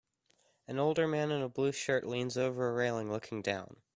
An older man in a blue shirt leans over a railing looking down.